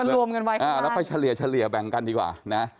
แล้วไปเฉลี่ยแบ่งกันดีกว่า